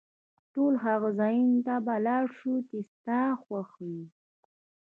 ټولو هغو ځایونو ته به ولاړ شو، چي ستا خوښ وي.